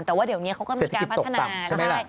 แต่ว่าเดี๋ยวนี้เขาก็มีการพัฒนาใช่ไหมล่ะ